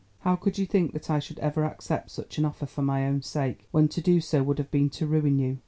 How could you think that I should ever accept such an offer for my own sake, when to do so would have been to ruin you?